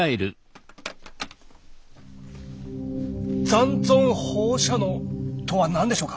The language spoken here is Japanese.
「残存放射能」とは何でしょうか？